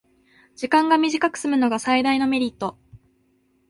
時間が短くすむのが最大のメリット